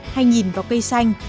hay nhìn vào cây xanh